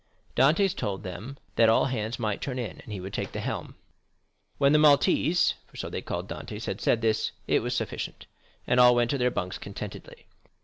Dantès told them that all hands might turn in, and he would take the helm. When the Maltese (for so they called Dantès) had said this, it was sufficient, and all went to their bunks contentedly.